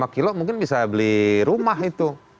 lima kilo mungkin bisa beli rumah itu